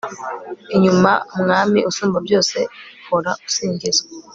inyuma mwami usumba byose hora usingizwa